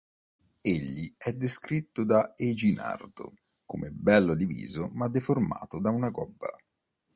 Egli è descritto da Eginardo come bello di viso ma deformato da una gobba.